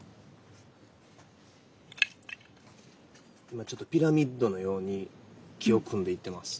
今ちょっとピラミッドのように木を組んでいってます。